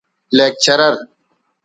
لیکچرر